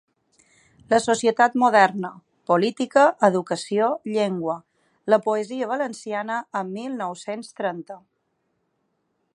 La societat moderna: política, educació, llengua’; ‘La poesia valenciana en mil nou-cents trenta.